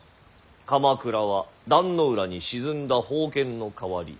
鎌倉は壇ノ浦に沈んだ宝剣の代わり。